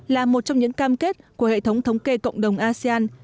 là một trong những cam kết của hệ thống thống kê cộng đồng asean